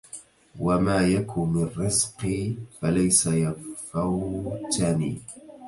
وَما يَكُ مِن رِزقي فَلَيسَ يَفوتَني